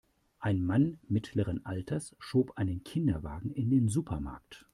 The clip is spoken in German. Ein Mann mittleren Alters schob einen Kinderwagen in den Supermarkt.